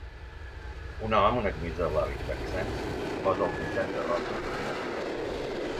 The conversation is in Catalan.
Un home amb una camisa blava i texans posa al costat de roques amb molsa.